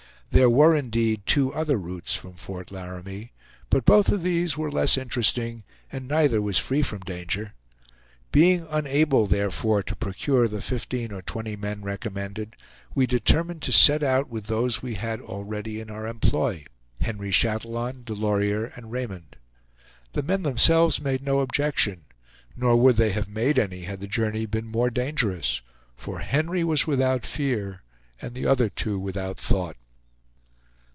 There were, indeed, two other routes from Fort Laramie; but both of these were less interesting, and neither was free from danger. Being unable therefore to procure the fifteen or twenty men recommended, we determined to set out with those we had already in our employ, Henry Chatillon, Delorier, and Raymond. The men themselves made no objection, nor would they have made any had the journey been more dangerous; for Henry was without fear, and the other two without thought.